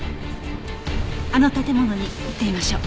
あの建物に行ってみましょう。